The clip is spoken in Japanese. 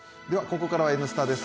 ここからは「Ｎスタ」です。